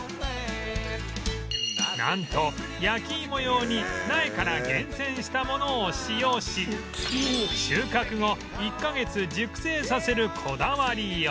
なんと焼き芋用に苗から厳選したものを使用し収穫後１カ月熟成させるこだわりよう